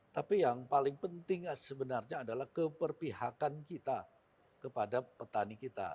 tapi yang paling penting sebenarnya adalah keperpihakan kita kepada petani kita